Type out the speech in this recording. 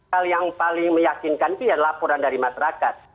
hal yang paling meyakinkan itu ya laporan dari masyarakat